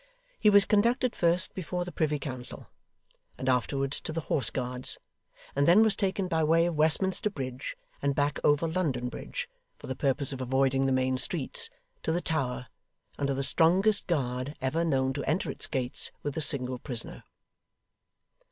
He was conducted first before the Privy Council, and afterwards to the Horse Guards, and then was taken by way of Westminster Bridge, and back over London Bridge (for the purpose of avoiding the main streets), to the Tower, under the strongest guard ever known to enter its gates with a single prisoner.